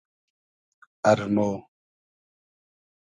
ارمۉ